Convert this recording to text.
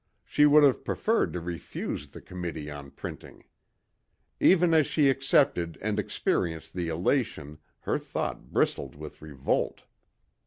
She would have preferred to refuse the committee on printing. Even as she accepted and experienced the elation her thought bristled with revolt.